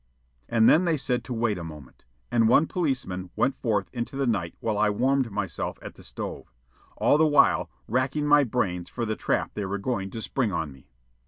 And then they said to wait a moment, and one policeman went forth into the night while I warmed myself at the stove, all the while racking my brains for the trap they were going to spring on me.